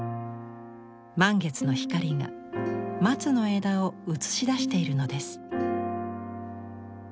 満月の光が松の枝を映し出しているのです。